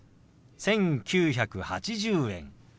「１９８０円」。